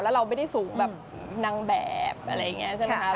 แล้วเราไม่ได้สูงแบบนางแบบอะไรอย่างนี้ใช่ไหมคะ